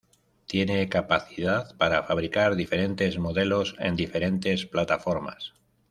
Tiene capacidad para fabricar diferentes modelos en diferentes plataformas.